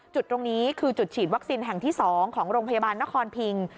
จุดตรงนี้คือจุดฉีดวัคซีนแห่งที่๒ของโรงพยาบาลนครพิง